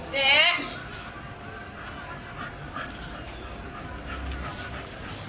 เด็ก